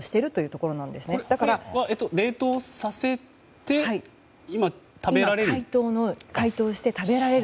これは冷凍させて今、食べられる？